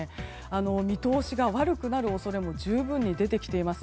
見通しが悪くなる恐れも十分に出てきています。